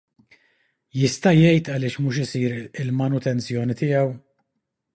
Jista' jgħid għaliex mhux isir il-manutenzjoni tiegħu?